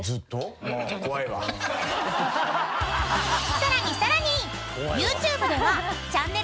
［さらにさらに］